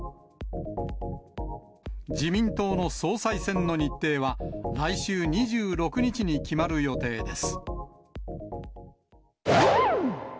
自民党の総裁選の日程は、来週２６日に決まる予定です。